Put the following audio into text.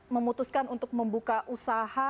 memutuskan untuk membuka usaha